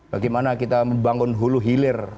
bagaimana kita membangun hulu hilir